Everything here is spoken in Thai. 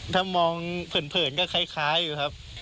ถ้ามองเผินก็คล้ายอยู่ครับ